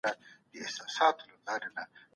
فساد کول د مرګ سزا لري.